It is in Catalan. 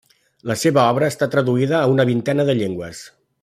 La seva obra està traduïda a una vintena de llengües.